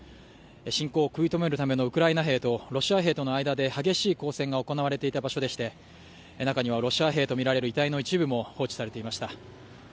侵攻を食い止めるためのウクライナ兵とロシア兵との間で激しい交戦が御追われていた場所でして、中にはロシア兵とみられる遺体の一部も放置されていました。